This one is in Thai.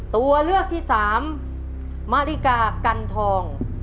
ตัวเลือกที่สามมาริกากันทอง